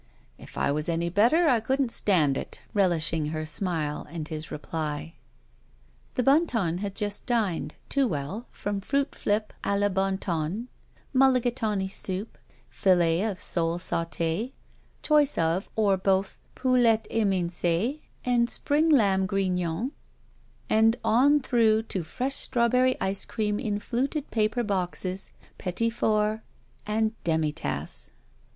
K I was any better I couldn't stand it," relishing her smile and his reply. The Bon Ton had just dined, too well, from fruit flip d la Bon Ton, mulligatawny soup, filet of sole sauU, choice of or both poulette eminci and spring lamb grignon, and on through to fresh strawberry ice cream in fluted paper boxes, petits fours, and demi tasse.